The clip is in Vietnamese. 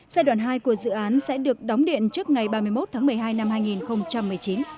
giai đoạn hai của dự án sẽ được đóng điện trước ngày ba mươi một tháng một mươi hai năm hai nghìn một mươi chín